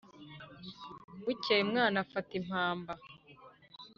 Bukeye umwana afata impamba